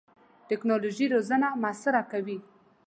ټکنالوژي روزنه موثره کوي.